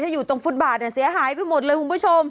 อยู่ตรงฟุตบาทเนี่ยเสียหายไปหมดเลยคุณผู้ชม